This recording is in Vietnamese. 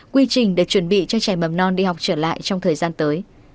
quy trình để chuẩn bị cho trẻ mầm non đi học trở lại trong thời gian tới